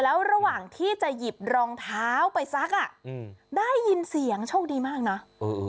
แล้วระหว่างที่จะหยิบรองเท้าไปซักอ่ะอืมได้ยินเสียงโชคดีมากนะเออ